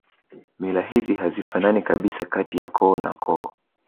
Mila hizi hazifanani kabisa kati ya koo na koo